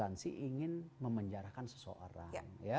arogansi ingin memenjarakan seseorang